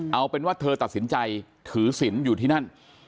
เอาเป็นว่าเธอตัดสินใจถือศิลป์อยู่ที่นั่น